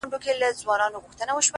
له دې نه مخكي چي ته ما پرېږدې؛